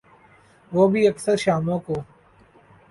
وہ بھی اکثر شاموں کو۔